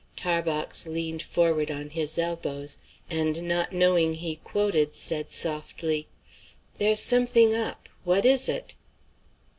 Tarbox leaned forward on his elbows, and, not knowing he quoted, said softly, "There's something up. What is it?"